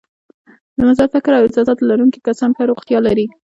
د مثبت فکر او احساساتو لرونکي کسان ښه روغتیا لري.